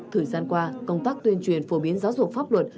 thời gian qua công tác tuyên truyền phổ biến giáo dục pháp luật